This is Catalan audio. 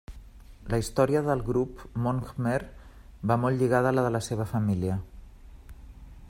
La història del grup mon-khmer va molt lligada a la de la seva família.